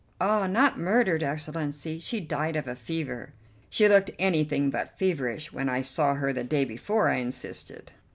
"Ah, not murdered, Excellency; she died of a fever." "She looked anything but feverish when I saw her the day before," I insisted.